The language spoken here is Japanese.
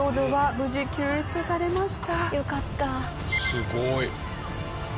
すごい！